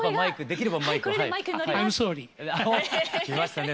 きましたね